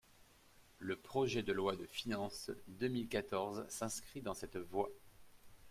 Le projet de loi de finances deux mille quatorze s’inscrit dans cette voie.